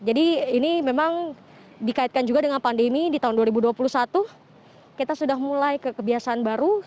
jadi ini memang dikaitkan juga dengan pandemi di tahun dua ribu dua puluh satu kita sudah mulai kekebiasaan baru